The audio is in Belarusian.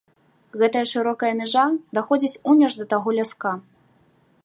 Гэтая шырокая мяжа даходзіць унь аж да таго ляска.